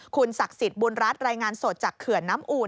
คุณศักดิ์สิทธิ์บุญรัฐรายงานสดจากเขื่อนน้ำอูน